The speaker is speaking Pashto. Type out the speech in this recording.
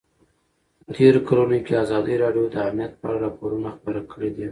په تېرو کلونو کې ازادي راډیو د امنیت په اړه راپورونه خپاره کړي دي.